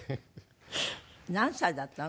何歳だったの？